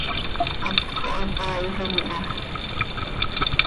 haptco hapaiijam iha.